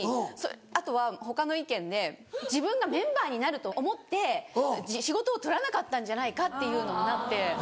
あとは他の意見で自分がメンバーになると思って仕事を取らなかったんじゃないかっていうのもなって。